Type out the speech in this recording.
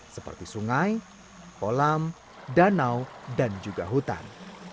seperti sungai kolam danau dan juga hutan